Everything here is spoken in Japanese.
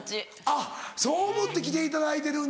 あっそう思って来ていただいてるんだ。